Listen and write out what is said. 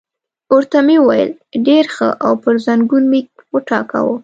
ورته مې وویل: ډېر ښه، او پر زنګون مې وټکاوه.